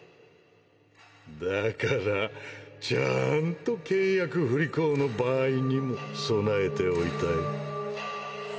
だからちゃあんと契約不履行の場合にも備えておいたよ。